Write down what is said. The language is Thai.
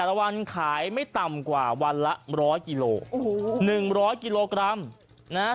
ละวันขายไม่ต่ำกว่าวันละร้อยกิโลโอ้โห๑๐๐กิโลกรัมนะฮะ